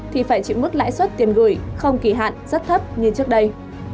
thì phải chịu mức lãi suất tiền gửi không kỳ hạn rất thấp như trước đây